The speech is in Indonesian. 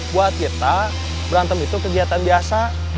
buat kita berantem itu kegiatan biasa